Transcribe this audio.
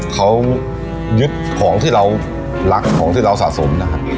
เขายึดของที่เรารักของที่เราสะสมนะครับ